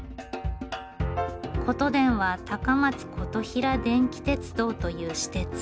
ことでんは高松琴平電気鉄道という私鉄。